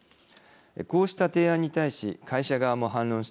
こうした提案に対し会社側も反論しています。